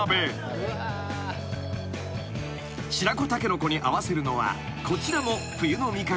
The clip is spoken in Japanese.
［白子タケノコに合わせるのはこちらも冬の味覚］